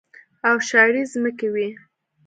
او شاړې ځمکې وې.